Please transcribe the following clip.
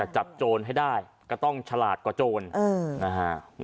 แต่จับโจรให้ได้ก็ต้องฉลาดกว่าโจรเออนะฮะ